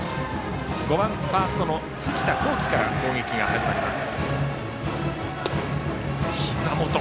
５番ファーストの辻田剛暉から攻撃が始まります。